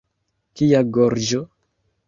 Kia gorĝo!